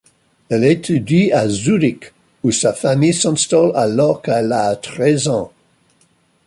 Elle étudie à Zurich, où sa famille s’installe alors qu'elle a treize ans.